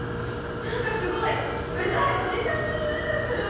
何かすごいうざいおじさんの臭いがする！